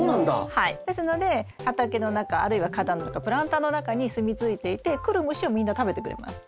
はいですので畑の中あるいは花壇の中プランターの中にすみついていて来る虫をみんな食べてくれます。